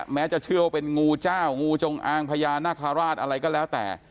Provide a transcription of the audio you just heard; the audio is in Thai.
แม้จะเชื่อว่าเป็นงูเจ้างูจงอางพญานาคาราชอะไรก็แล้วแต่